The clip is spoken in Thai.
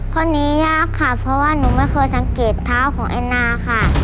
ข้อนี้ยากค่ะเพราะว่าหนูไม่เคยสังเกตเท้าของแอนนาค่ะ